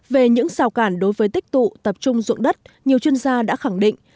về những rào cản đối với tích tụ tập trung dụng đất nhiều chuyên gia đã khẳng định